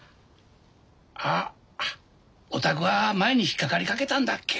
あっお宅は前に引っかかりかけたんだっけ。